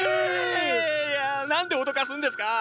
いやいや何で脅かすんですか！